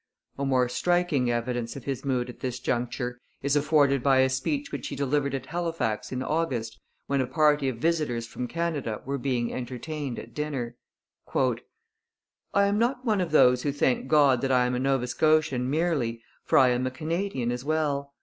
A more striking evidence of his mood at this juncture is afforded by a speech which he delivered at Halifax in August, when a party of visitors from Canada were being entertained at dinner. I am not one of those who thank God that I am a Nova Scotian merely, for I am a Canadian as well.